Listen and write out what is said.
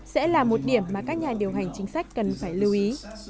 sẽ là một điểm mà các nhà điều hành chính sách cần phải lưu ý